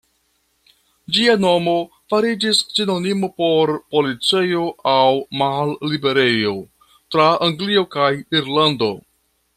Ĝia nomo fariĝis sinonimo por policejo aŭ malliberejo tra Anglio kaj Irlando.